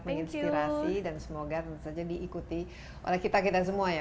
terima kasih banyak fania untuk inspirasi dan semoga tentu saja diikuti oleh kita kita semua ya